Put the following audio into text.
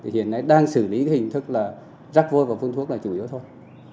hiện nay đang xử lý hình thức là rắc vôi và phun thuốc là chủ yếu thôi